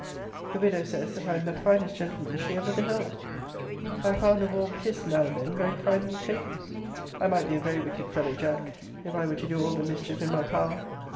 The widow says that I am the finest gentleman she ever beheld. I have found a warm kiss now and then very kindly taken. I might be a very wicked fellow, Jack, if I were to do all the mischief in my power.